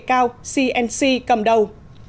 cao cnc cầm đầu